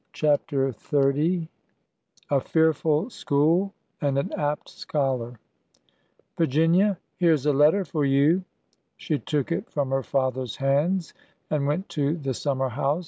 CHAPTER XXX A FEARFUL SCHOOL AND AN APT SCHOLAR ''THRCINIA! here's a letter for you." V She took it from her father's hands and went to the summer house.